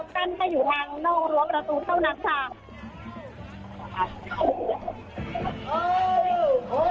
ตั้งแต่อยู่ทางนอกรวมประตูเท่านักศาสตร์